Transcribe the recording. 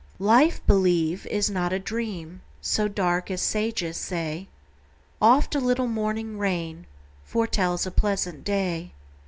Life, believe, is not a dream So dark as sages say; Oft a little morning rain Foretells a pleasant day.